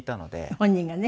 本人がね。